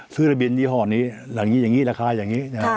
ระบินยี่ห้อนี้อย่างนี้อย่างนี้ราคาอย่างนี้